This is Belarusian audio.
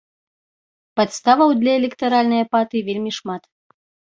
Падставаў для электаральнай апатыі вельмі шмат.